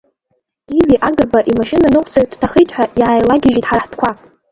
Гиви Агрба имашьынаныҟәцаҩ дҭахеит ҳәа иааилагьежьит ҳара ҳтәқәа.